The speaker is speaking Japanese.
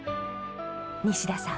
西田さん